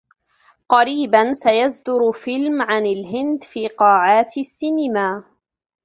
قريبا سيصدر فيلم عن الهند في قاعات السينما.